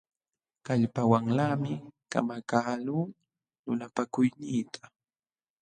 Kallpawanlaqmi kamakaqluu lulapakuyniita.